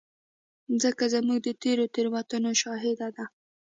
مځکه زموږ د تېرو تېروتنو شاهد ده.